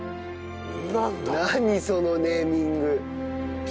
そのネーミング。